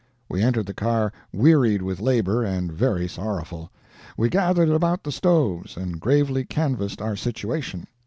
We entered the car wearied with labor, and very sorrowful. We gathered about the stoves, and gravely canvassed our situation.